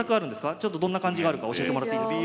ちょっとどんな感じがあるか教えてもらっていいですか？